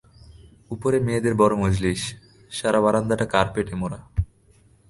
উপরে মেয়েদের বড় মজলিশ, সারা বারান্দাটা কার্পেট-মোড়া!